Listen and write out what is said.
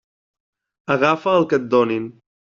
Agafa el que et donin.